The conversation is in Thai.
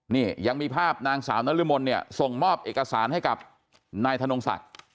นี่ยังมีภาพนางสาวนรมนเนี่ยส่งมอบเอกสารให้กับนายธนงศักดิ์